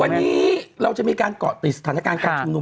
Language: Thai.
วันนี้เราจะมีการเกาะติดสถานการณ์การชุมนุม